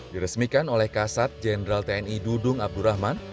diresmikan oleh kasat jenderal tni dudung abdurrahman